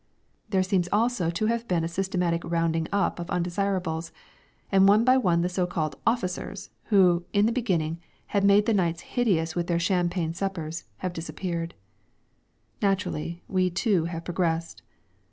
There seems also to have been a systematic "rounding up" of undesirables, and one by one the so called "officers," who, in the beginning, had made the nights hideous with their champagne suppers, have disappeared. Naturally, we too have progressed.